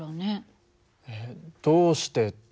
えっどうしてって。